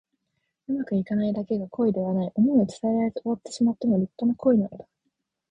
うまくいかないだけが恋ではない。想いを伝えられず終わってしまっても立派な恋なのだ。